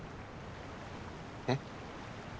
えっ？